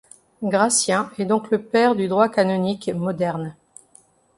Gratien est donc le père du droit canonique moderne.